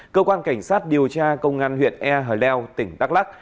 cơ quan cảnh sát điều tra công an huyện e hờ leo tỉnh đắk lắc